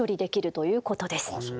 そういうことです。